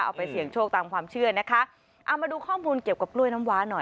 เอาไปเสี่ยงโชคตามความเชื่อนะคะเอามาดูข้อมูลเกี่ยวกับกล้วยน้ำว้าหน่อย